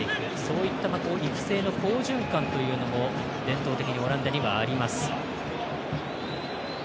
こうした育成の好循環というのも伝統的にオランダにもあります。